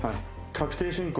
確定申告。